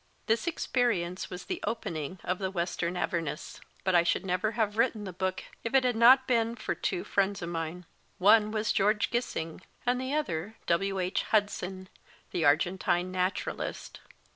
This experience was the opening of The Western Avernus. But I should never have written the book if it had not been for two friends of mine. One was George Gissinof, o o / and the other W. H. Hudson, the Argen tine naturalist.